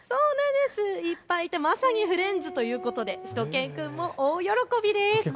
いっぱいいてまさにフレンズということでしゅと犬くんも大喜びです。